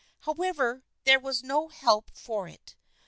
However, there was no help for it.